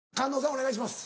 お願いします。